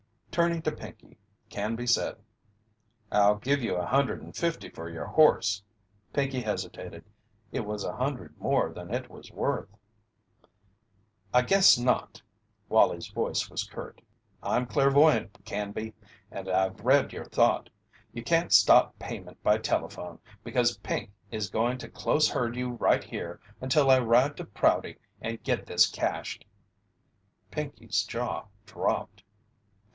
Turning to Pinkey, Canby said: "I'll give you a hundred and fifty for your horse." Pinkey hesitated. It was a hundred more than it was worth. "I guess not." Wallie's voice was curt. "I'm clairvoyant, Canby, and I've read your thought. You can't stop payment by telephone, because Pink is going to close herd you right here until I ride to Prouty and get this cashed." Pinkey's jaw dropped.